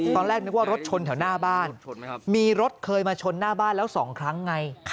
ตอนแรกนึกว่ารถชนแถวหน้าบ้านมีรถเคยมาชนหน้าบ้านแล้ว๒ครั้งไง